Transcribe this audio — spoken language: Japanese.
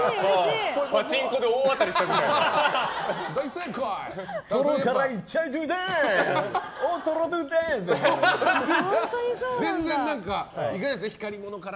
パチンコで大当たりしたみたいな。